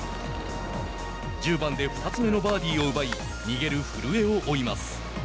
１０番で２つ目のバーディーを奪い逃げる古江を追います。